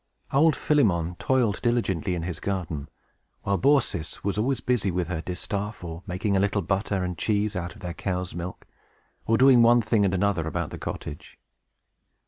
Old Philemon toiled diligently in his garden, while Baucis was always busy with her distaff, or making a little butter and cheese with their cow's milk, or doing one thing and another about the cottage.